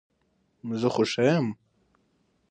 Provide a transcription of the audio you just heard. Ewan Macdonald, the husband of author Lucy Maud Montgomery.